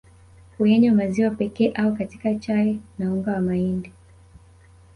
Huyanywa maziwa pekee au katika chai na unga wa mahindi